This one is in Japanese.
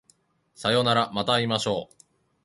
さようならまた会いましょう